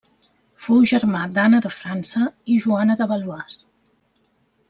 Fou germà d'Anna de França i Joana de Valois.